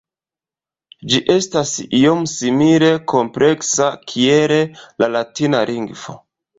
Ĝi estas iom simile kompleksa kiel la latina lingvo.